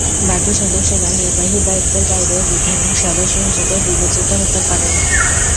বাকি সদস্যরা নির্বাহী দায়িত্বের বাইরে বিধানিক সদস্য হিসেবে বিবেচিত হতে পারেন।